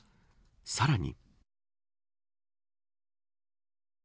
さらに。